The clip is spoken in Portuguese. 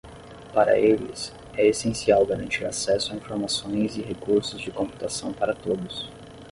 Para eles, é essencial garantir acesso a informações e recursos de computação para todos.